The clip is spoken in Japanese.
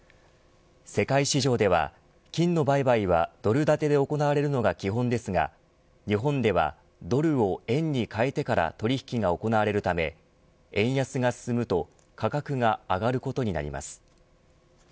世界市場では金の売買はドル建てで行われるのが基本ですが日本ではドルを円に替えてから取引が行われるため円安が進むと価格が上がることになります。